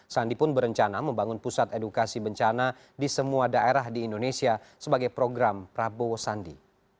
sandi pun berencana membangun pusat edukasi bencana di semua daerah di indonesia sebagai program prabowo sandi